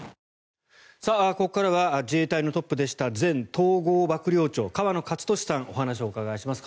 ここからは自衛隊のトップでした前統合幕僚長、河野克俊さんにお話をお伺いします。